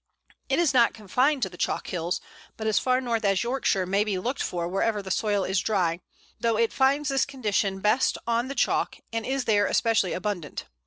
It is not confined to the chalk hills, but as far north as Yorkshire may be looked for wherever the soil is dry, though it finds this condition best on the chalk, and is there especially abundant.